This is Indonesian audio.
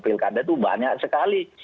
pilkada itu banyak sekali